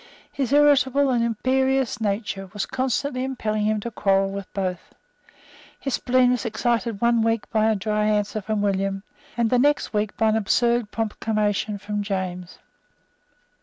His irritable and imperious nature was constantly impelling him to quarrel with both. His spleen was excited one week by a dry answer from William, and the next week by an absurd proclamation from James.